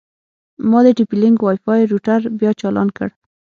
ما د ټي پي لینک وای فای روټر بیا چالان کړ.